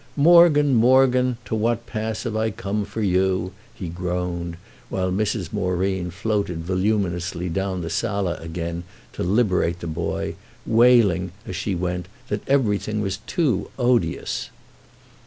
"Morgan, Morgan, to what pass have I come for you?" he groaned while Mrs. Moreen floated voluminously down the sala again to liberate the boy, wailing as she went that everything was too odious.